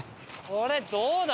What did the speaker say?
これどうだ？